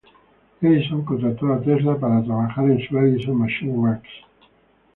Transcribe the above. Edison contrató a Tesla para trabajar en su Edison Machine Works.